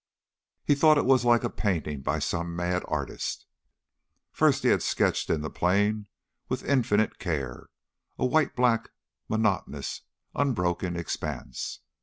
He thought it was like a painting by some mad artist. First he had sketched in the plain with infinite care a white black, monotonous, unbroken expanse.